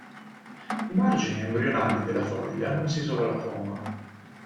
I margini embrionali della foglia non si sovrappongono.